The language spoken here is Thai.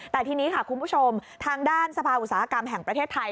แต่ทีนี้ค่ะคุณผู้ชมทางด้านสภาอุตสาหกรรมแห่งประเทศไทย